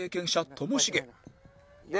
ともしげ。